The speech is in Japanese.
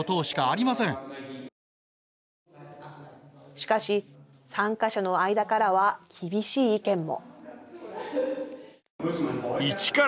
しかし、参加者の間からは厳しい意見も。